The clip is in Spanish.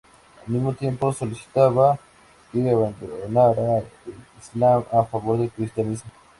Al mismo tiempo solicitaba que abandonara el Islam a favor del cristianismo.